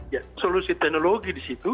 ya solusi teknologi di situ